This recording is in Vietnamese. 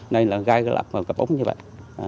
này là gai gai lạc vào cặp ống như vậy